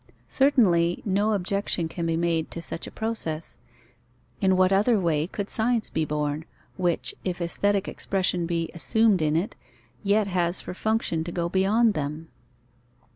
Certainly no objection can be made to such a process. In what other way could science be born, which, if aesthetic expressions be assumed in it, yet has for function to go beyond them?